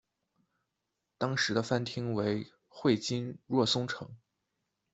当时的藩厅为会津若松城。